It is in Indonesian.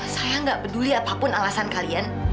saya nggak peduli apapun alasan kalian